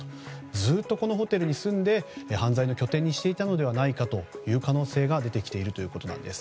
ずっとこのホテルに住んで犯罪の拠点にしていたのではないかという可能性が出てきているということなんです。